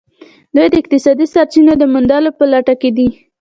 دوی د اقتصادي سرچینو د موندلو په لټه کې دي